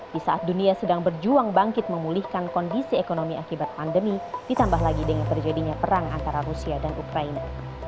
di saat dunia sedang berjuang bangkit memulihkan kondisi ekonomi akibat pandemi ditambah lagi dengan terjadinya perang antara rusia dan ukraina